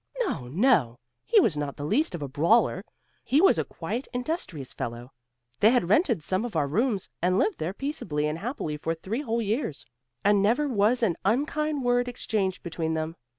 "No, no! he was not the least of a brawler; he was a quiet industrious fellow. They had rented some of our rooms, and lived there peaceably and happily for three whole years, and never was an unkind word exchanged between them.